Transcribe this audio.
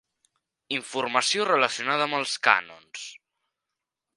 Informació relacionada amb els cànons.